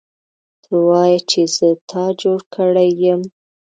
ته وایې چې زه تا جوړ کړی یم